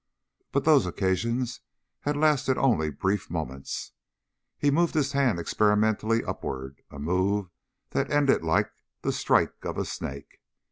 But those occasions had lasted only brief moments. He moved his hand experimentally upward a move that ended like the strike of a snake.